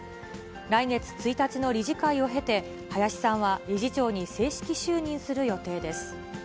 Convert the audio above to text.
来月１日の理事会を経て、林さんは理事長に正式就任する予定です。